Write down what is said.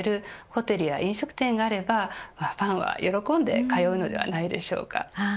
ホテルや飲食店があればファンは喜んで通うのではないでしょうか。